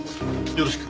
よろしく。